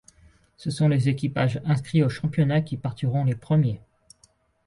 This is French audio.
Ce sont les équipages inscrit au championnat qui partiront les premiers.